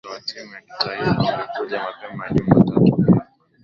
mchezo wa timu ya taifa ulikuja mapema juma tatu hii